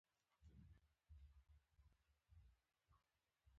هر بالر ته محدود اوورونه ورکول کیږي.